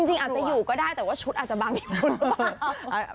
จริงอาจจะอยู่ก็ได้แต่ว่าชุดอาจจะบางอย่างคุณหรือเปล่า